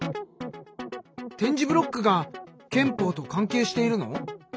点字ブロックが憲法と関係しているの？